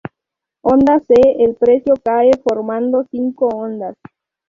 Onda C: El precio cae formando cinco ondas.